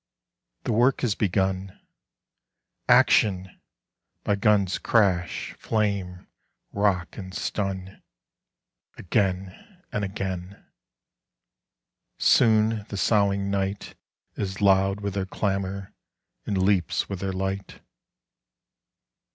The work is begun. "Action!" My guns crash, flame, rock and stun Again and again. Soon the soughing night Is loud with their clamour and leaps with their light.